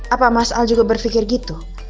apa mas al juga berpikir gitu